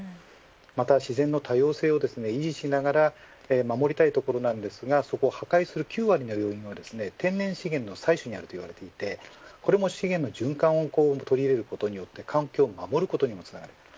また自然の多様性を維持しながら守りたいところなんですがそこを破壊する９割の要因が天然資源の採取にあるといわれていてこれも資源の循環を取り入れることによって環境を守ることにつながる。